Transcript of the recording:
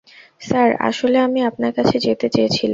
Sir, আসলে আমি আপনার কাছে যেতে চেয়েছিলাম।